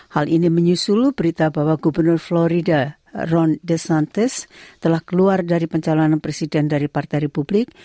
hal ini menyusul berita bahwa gubernur florida rondesantis telah keluar dari pencalonan presiden dari partai republik